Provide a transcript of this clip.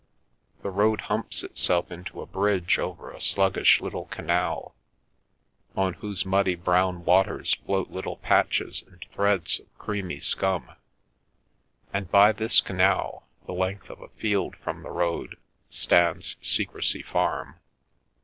The road humps itself into a bridge over a sluggish little canal, on whose muddy brown waters float little patches and threads of creamy scum, and by this canal, the length of a field from the road, stands Secrecy Farm.